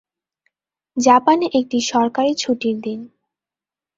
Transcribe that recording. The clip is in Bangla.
জাপানে একটি সরকারি ছুটির দিন।